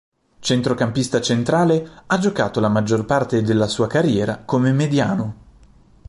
Centrocampista centrale, ha giocato la maggior parte della sua carriera come mediano.